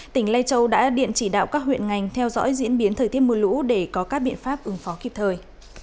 tỉnh lai châu đã điện chỉ đạo các huyện ngành theo dõi diễn biến thời tiết mưa lũ để có các biện pháp ứng phó kịp thời